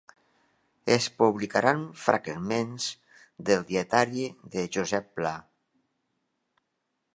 Es publicaran fragments del dietari de Josep Pla